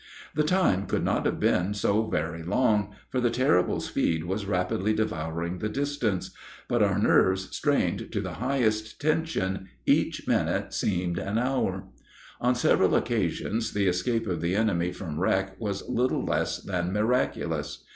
The time could not have been so very long, for the terrible speed was rapidly devouring the distance; but with our nerves strained to the highest tension each minute seemed an hour. On several occasions the escape of the enemy from wreck was little less than miraculous.